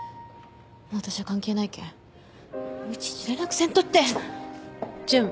もう私は関係ないけんもういちいち連絡せんとって。